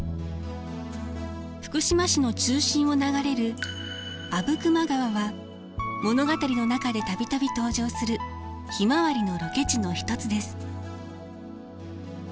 福島市の中心を流れる阿武隈川は物語の中で度々登場する「ひまわり」のロケ地の一つです。